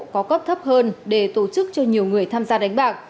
có cấp thấp hơn để tổ chức cho nhiều người tham gia đánh bạc